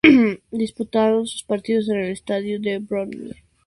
Disputaba sus partidos en el estadio de Bloomfield.